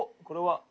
これは。